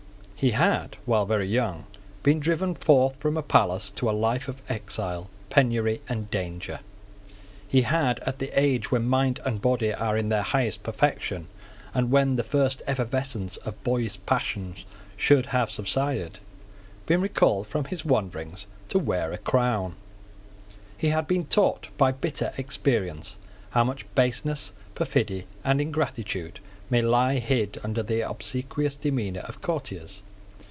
He had, while very young, been driven forth from a palace to a life of exile. penury, and danger. He had, at the age when the mind and body are in their highest perfection, and when the first effervescence of boyish passions should have subsided, been recalled from his wanderings to wear a crown. He had been taught by bitter experience how much baseness, perfidy, and ingratitude may lie hid under the obsequious demeanor of courtiers.